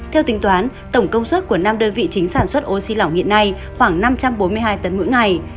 theo tính toán tổng công suất của năm đơn vị chính sản xuất oxy lỏng hiện nay khoảng năm trăm bốn mươi hai tấn mỗi ngày